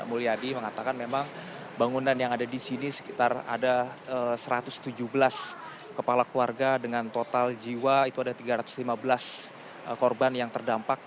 mulyadi mengatakan memang bangunan yang ada di sini sekitar ada satu ratus tujuh belas kepala keluarga dengan total jiwa itu ada tiga ratus lima belas korban yang terdampak